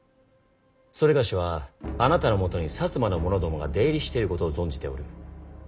某はあなたのもとに摩の者どもが出入りしていることを存じておる。